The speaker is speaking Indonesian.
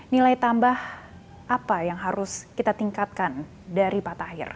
nilai tambah apa yang harus kita tingkatkan dari pak tahir